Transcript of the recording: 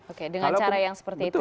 oke dengan cara yang seperti itu